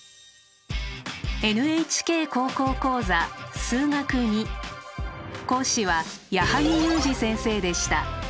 「ＮＨＫ高校講座数学Ⅱ」講師は矢作裕滋先生でした。